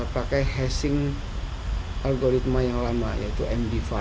pakai hashing algoritma yang lama yaitu md lima